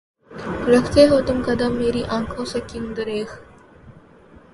رکھتے ہو تم قدم میری آنکھوں سے کیوں دریغ؟